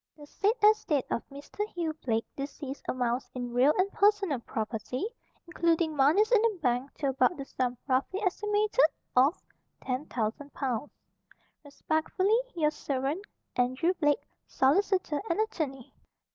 "The said estate of Mr. Hugh Blake, deceased, amounts, in real and personal property, including moneys in the bank, to about the sum, roughly estimated, of 10,000 pounds. "Respectfully, your servant, "Andrew Blake, Solicitor and Att'y."